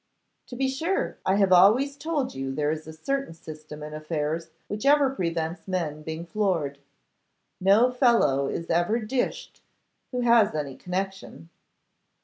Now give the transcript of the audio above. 'To be sure. I have always told you there is a certain system in affairs which ever prevents men being floored. No fellow is ever dished who has any connection.